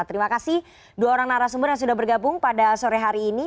terima kasih dua orang narasumber yang sudah bergabung pada sore hari ini